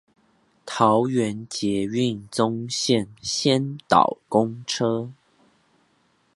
桃園捷運棕線先導公車